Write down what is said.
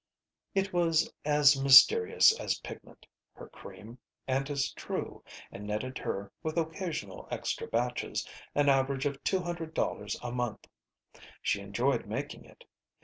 It was as mysterious as pigment, her cream, and as true, and netted her, with occasional extra batches, an average of two hundred dollars a month. She enjoyed making it.